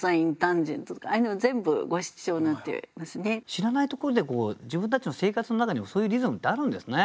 知らないところで自分たちの生活の中にもそういうリズムってあるんですね。